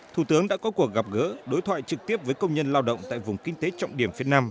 thủ tướng đã có cuộc gặp gỡ đối thoại trực tiếp với công nhân lao động tại vùng kinh tế trọng điểm phía nam